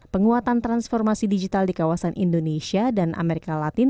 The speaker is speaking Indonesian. penguatan transformasi digital di kawasan indonesia dan amerika latin